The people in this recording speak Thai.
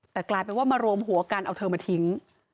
แต่กลายเป็นว่ามารวมหัวกันเอาเธอมาทิ้ง